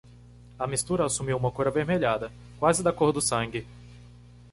A mistura assumiu uma cor avermelhada? quase da cor do sangue.